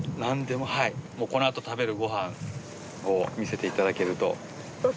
もうこの後食べるご飯を見せていただけると。